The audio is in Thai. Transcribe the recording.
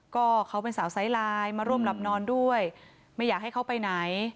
ก็เขาเป็นสาวไซส์ไลน์มาร่วมหลับนอนด้วยไม่อยากให้เขาไปไหน